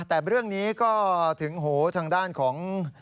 แต่เรื่องนี้ก็ถึงโหทางด้านของ